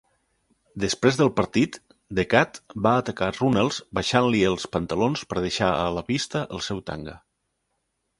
Després del partit, The Kat va atacar Runnels baixant-li els pantalons per deixar a la vista el seu tanga.